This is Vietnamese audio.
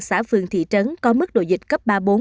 xã phường thị trấn có mức độ dịch cấp ba bốn